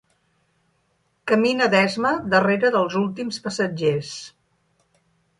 Camina d'esma darrere dels últims passatgers.